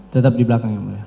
tetap di belakang yang mulia